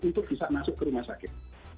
untuk bisa masuk ke rumah sakit